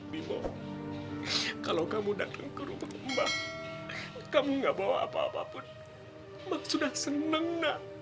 bimo kalau kamu datang ke rumah mbah kamu gak bawa apa apa pun mbah sudah senang mbah